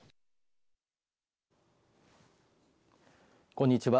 こんにちは。